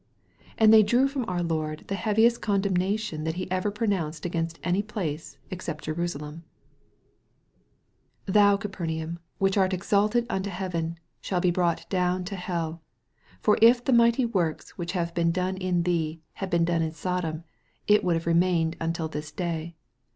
And they drew from our Lord the heaviest condemnation that He ever pronounced against any place, except Jerusalem :" Thou, Capernaum, which art exalted unto heaven, shalt he brought down to hell ; for if the mighty works, which have been done in thee, had been done in Sodom, it would have remained until this day.